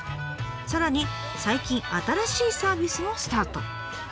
さらに最近新しいサービスもスタート。